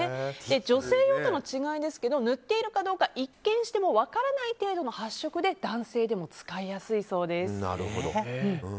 女性用との違いですけど塗っているかどうか一見しても分からない程度の発色で男性でも使いやすいそうです。